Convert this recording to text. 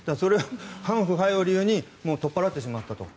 反腐敗を理由に取っ払ってしまったと。